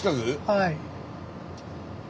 はい。